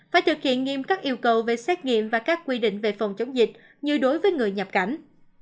phải thực hiện nghiêm các yêu cầu về xét nghiệm và các quy định về phòng chống dịch như đối với người nhập cảnh